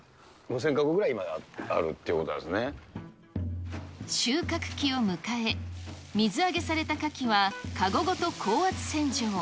５０００籠ぐらい、今あると収穫期を迎え、水揚げされたカキは、籠ごと高圧洗浄。